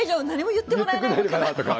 「言ってくれないのかな」とか。